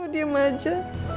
oh diam aja